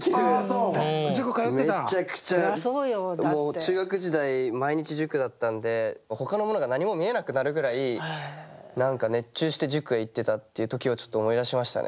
中学時代毎日塾だったんでほかのものが何も見えなくなるぐらい熱中して塾へ行ってたっていう時をちょっと思い出しましたね